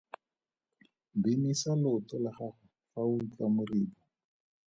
Binisa leoto la gago fa o utlwa moribo.